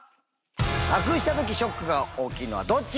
なくしたときショックが大きいのはどっち？